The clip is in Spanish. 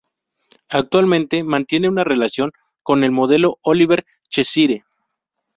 Actualmente mantiene una relación con el modelo Oliver Cheshire.